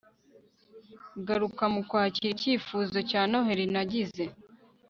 garuka mu kwakira icyifuzo cya noheri nagize